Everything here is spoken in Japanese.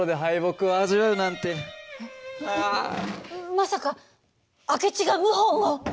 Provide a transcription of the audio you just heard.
まさか明智が謀反を！？